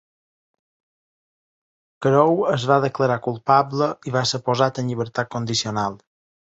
Crowe es va declarar culpable i va ser posat en llibertat condicional.